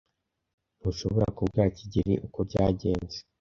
Ntushobora kubwira kigeli uko byagenze.